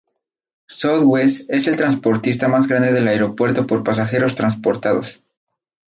Southwest es el transportista más grande del aeropuerto por pasajeros transportados.